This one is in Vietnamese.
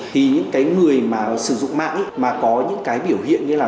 thì những cái người mà sử dụng mạng mà có những cái biểu hiện như là